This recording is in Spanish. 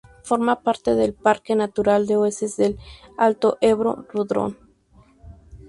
Forma parte del Parque natural de Hoces del Alto Ebro y Rudrón.